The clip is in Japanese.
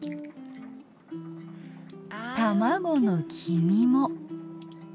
卵の黄身も。